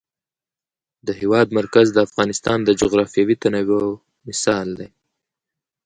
د هېواد مرکز د افغانستان د جغرافیوي تنوع مثال دی.